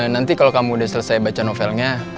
nanti kalau kamu udah selesai baca novelnya